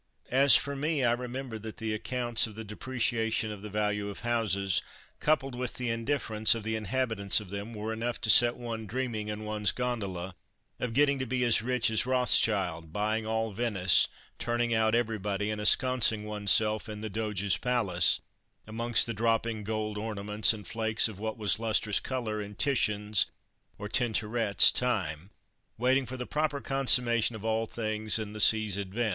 "As for me, I remember that the accounts of the depreciation of the value of houses, coupled with the indifference of the inhabitants of them, were enough to set one dreaming (in one's gondola!) of getting to be as rich as Rothschild, buying all Venice, turning out everybody, and ensconcing one's self in the Doge's palace, among the dropping gold ornaments and flakes of what was lustrous color in Titian's or Tintoret's time, waiting for the proper consummation of all things and the sea's advent.